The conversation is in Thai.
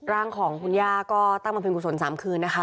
ร่างของคุณย่าก็ตั้งบำเพ็กกุศล๓คืนนะคะ